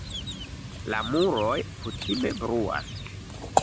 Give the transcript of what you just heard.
La muroj kutime bruas.